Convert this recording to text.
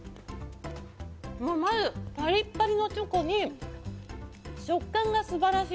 まずパリッパリのチョコに、食感が素晴らしい。